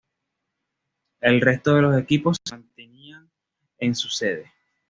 El resto de los equipos se mantenían en su sede.